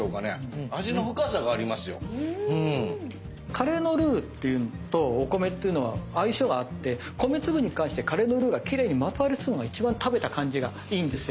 カレーのルーっていうとお米っていうのは相性があって米粒に関してカレーのルーがきれいにまとわりつくのが一番食べた感じがいいんですよ。